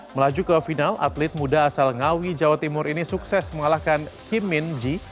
melaju ke final atlet muda asal ngawi jawa timur ini sukses mengalahkan kim min ji